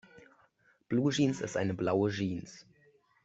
Bluejeans ist eine blaue Jeans.